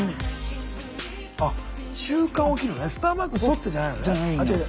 あっ中間を切るのねスターマークに沿ってじゃないのね。